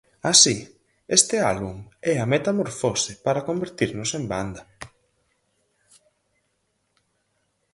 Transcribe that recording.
Así, este álbum é a metamorfose para convertirnos en banda.